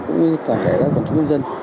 cũng như tổng thể các cộng chức nhân dân